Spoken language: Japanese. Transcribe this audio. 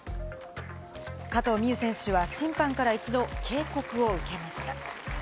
加藤未唯選手は審判から一度、警告を受けました。